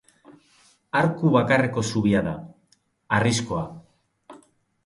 Arku bakarreko zubia da, harrizkoa.